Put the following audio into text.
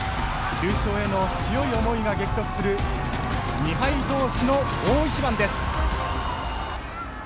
優勝への強い思いが激突する２敗同士の大一番です。